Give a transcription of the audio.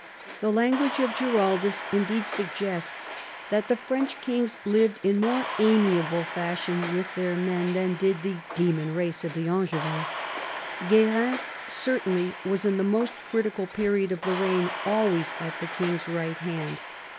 The language of Giraldus indeed suggests that the French kings lived in more amiable fashion with their men than did the "demon race" of the Angevins. Guerin certainly was in the most critical period of the reign always at the king's right hand.